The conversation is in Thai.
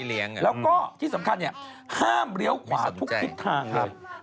แล้วก็ที่สำคัญเนี่ยห้ามเลี้ยวขวาทุกทิศทางเลย